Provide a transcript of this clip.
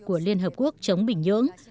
của liên hợp quốc chống bình nhưỡng